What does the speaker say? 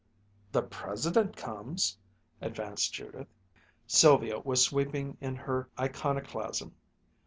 "The President comes," advanced Judith. Sylvia was sweeping in her iconoclasm.